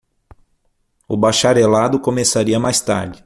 O bacharelado começaria mais tarde.